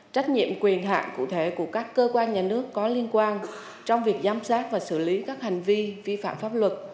trách nhiệm quyền hạn cụ thể của các cơ quan nhà nước có liên quan trong việc giám sát và xử lý các hành vi vi phạm pháp luật